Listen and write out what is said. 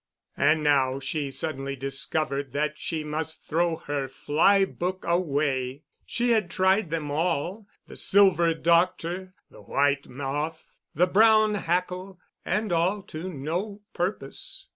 And now she suddenly discovered that she must throw her fly book away—she had tried them all—the "silver doctor," the "white moth," the "brown hackle"—and all to no purpose.